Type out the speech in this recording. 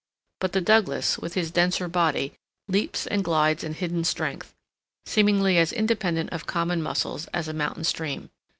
But the Douglas, with his denser body, leaps and glides in hidden strength, seemingly as independent of common muscles as a mountain stream.